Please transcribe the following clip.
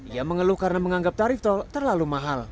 ia mengeluh karena menganggap tarif tol terlalu mahal